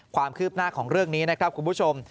ความคืบหน้าของเรื่องนี้นะครับคุณผู้ชม